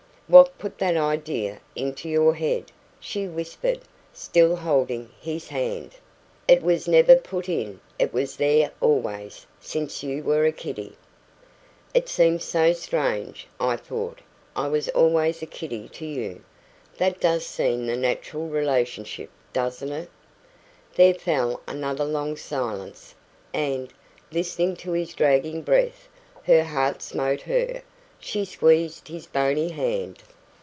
"What put that idea into your head?" she whispered, still holding his hand. "It was never put in; it was there always since you were a kiddie." "It seems so strange! I thought I was always a kiddie to you." "That does seem the natural relationship, doesn't it?" There fell another long silence, and, listening to his dragging breath, her heart smote her. She squeezed his bony hand.